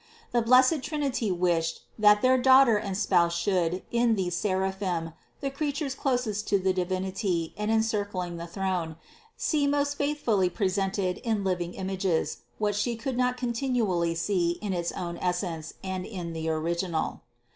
The blessed Trinity wished, that their Daughter and Spouse should, in these seraphim, the creatures clos est to the Divinity and encircling the throne, see most faithfully presented in living images, what She could not continually see in its own essence and in the original.